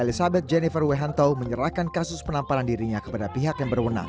elizabeth jennifer wehanto menyerahkan kasus penamparan dirinya kepada pihak yang berwenang